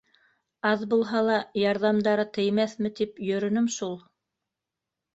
Аҙ булһа ла, ярҙамдары теймәҫме тип йөрөнөм шул.